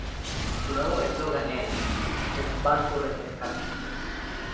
Su nuevo eslogan es "Un banco refrescante".